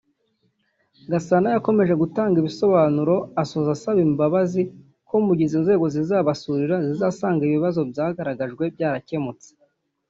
Gasana yakomeje gutanga ibisobanuro asoza asaba imbabazi ko mu gihe izo nzego zizabasurira zizasanga ibibazo byagaragajwe byarakemutse